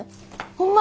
ホンマ！？